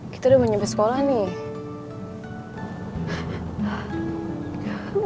kita udah mau nyebut sekolah nih